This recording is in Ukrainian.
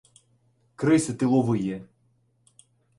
криси тиловиє!.